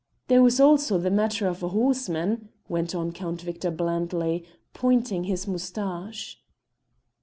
"There was also the matter of the horseman," went on Count Victor blandly, pointing his moustache.